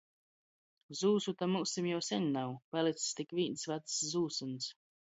Zūsu to myusim jau seņ nav — palics tik vīns vacs zūsyns.